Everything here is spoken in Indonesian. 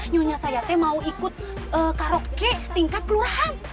nyonya saya mau ikut karaoke tingkat kelurahan